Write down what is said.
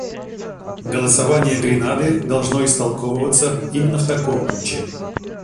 Голосование Гренады должно истолковываться именно в таком ключе.